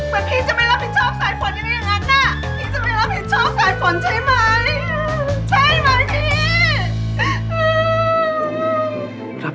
มันพี่จะไม่รับผิดชอบสายฝนยังไงอย่างนั้นนะ